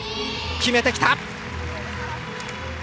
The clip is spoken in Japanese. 決めてきた！